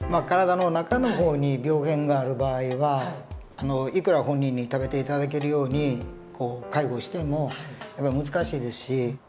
体の中の方に病原がある場合はいくら本人に食べて頂けるように介護してもやっぱり難しいですし。